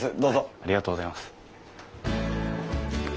ありがとうございます。